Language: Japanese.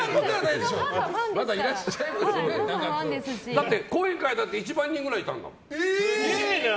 だって講演会だって１万人ぐらいいたんだもん。